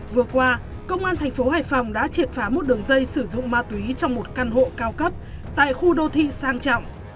vừa qua công an tp hcm đã triệt phá một đường dây sử dụng ma túy trong một căn hộ cao cấp tại khu đô thi sang trọng